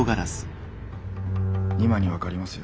今に分かりますよ。